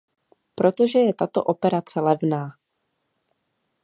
Protože je tato operace levná.